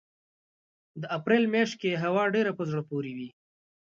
په اپرېل مياشت کې یې هوا ډېره په زړه پورې وي.